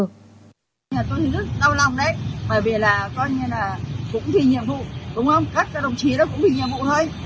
các đồng chí cũng vì nhiệm vụ đúng không các đồng chí cũng vì nhiệm vụ thôi